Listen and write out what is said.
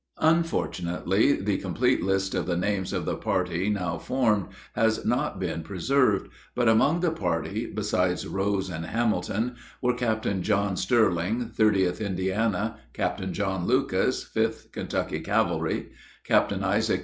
Unfortunately, the complete list of the names of the party now formed has not been preserved; but among the party, besides Rose and Hamilton, were Captain John Sterling, 30th Indiana; Captain John Lucas, 5th Kentucky Cavalry; Captain Isaac N.